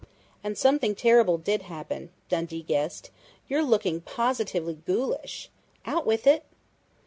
"And something terrible did happen," Dundee guessed. "You're looking positively ghoulish. Out with it!"